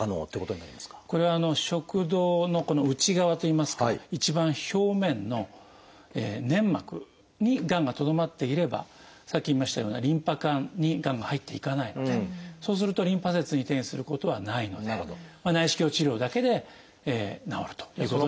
これは食道の内側といいますか一番表面の粘膜にがんがとどまっていればさっき言いましたようなリンパ管にがんが入っていかないのでそうするとリンパ節に転移することはないので内視鏡治療だけで治るということになります。